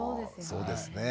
そうですね。